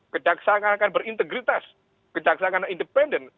kejaksaan akan berintegritas kejaksaan akan independen